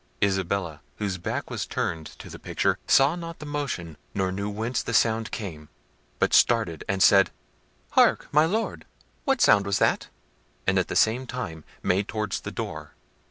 Isabella, whose back was turned to the picture, saw not the motion, nor knew whence the sound came, but started, and said— "Hark, my Lord! What sound was that?" and at the same time made towards the door.